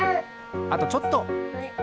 あとちょっと。